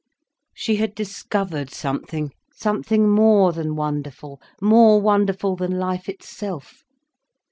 She had discovered something, something more than wonderful, more wonderful than life itself.